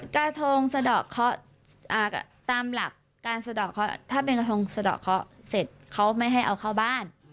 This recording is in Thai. กระทงสะดอกเคาะตามหลักการสะดอกเคาะถ้าเป็นกระทงสะดอกเคาะเสร็จเขาไม่ให้เอาเข้าบ้าน